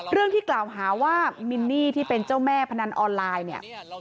เรื่องที่กล่าวหาว่ามินนี่ที่เป็นเจ้าแม่พนันออนไลน์เนี่ย